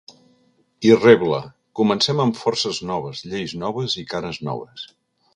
I rebla: Comencem amb forces noves, lleis noves i cares noves.